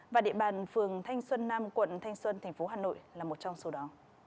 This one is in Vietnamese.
và địa bàn phường thanh xuân nam quận thanh xuân tp hà nội là một trong số đó